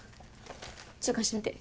ちょっと貸してみて。